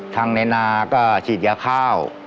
ทั้งในนาก็ฉีดยาข้าว